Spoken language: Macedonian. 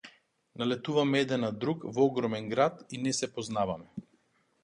Налетуваме еден на друг во огромен град и не се познаваме.